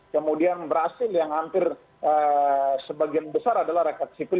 kemudian brazil yang hampir sebagian besar adalah rakyat sipil